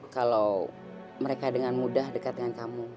kalau mereka dengan mudah dekat dengan kamu